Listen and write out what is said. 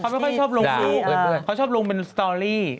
ไม่ค่อยชอบลงรูปเขาชอบลงเป็นสตอรี่